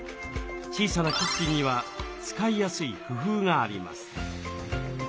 小さなキッチンには使いやすい工夫があります。